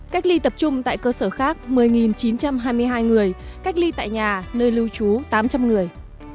cách ly tập trung tại cơ sở khác một mươi chín trăm hai mươi hai người cách ly tại nhà nơi lưu trú tám trăm linh người